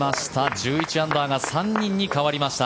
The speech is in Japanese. １１アンダーが３人に変わりました。